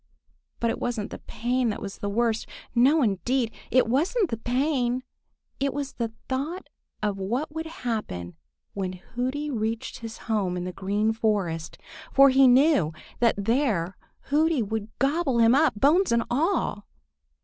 But it wasn't the pain that was the worst. No, indeed! It wasn't the pain! It was the thought of what would happen when Hooty reached his home in the Green Forest, for he knew that there Hooty would gobble him up, bones and all.